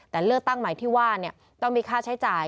แต่เลือกตั้งใหม่ที่ว่าต้องมีค่าใช้จ่าย